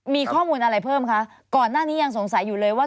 มีข้อมูลอะไรเพิ่มคะก่อนหน้านี้ยังสงสัยอยู่เลยว่า